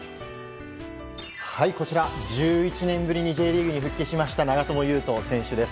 こちら１１年ぶりにＪリーグに復帰しました長友佑都選手です。